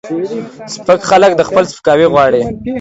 سپک خلک دا خپل سپکاوی غواړي